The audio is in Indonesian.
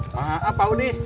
maaf pak odi